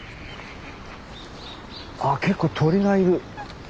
あ結構鳥がいる。